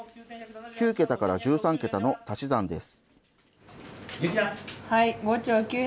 ９桁から１３桁の足し算です。